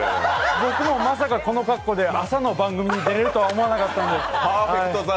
僕もまさかこの格好で朝の番組に出られるとは思ってなかったんで。